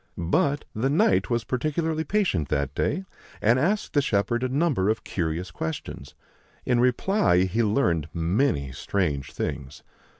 But the Knight was particularly patient that day, and asked the shepherd a number of curious questions. In reply he learned many strange things.